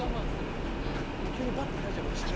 でも急にバッて開いちゃうかもしれない。